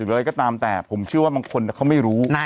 อย่างไรก็ตามแต่ผมชื่อว่ามังคนค่อยไม่รู้